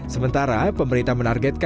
sementara pemerintah menarget